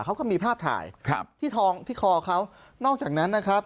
เขาก็มีภาพถ่ายครับที่ทองที่คอเขานอกจากนั้นนะครับ